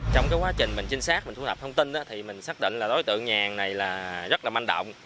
trong quá trình mình trinh sát mình thu thập thông tin thì mình xác định là đối tượng nhàn này là rất là manh động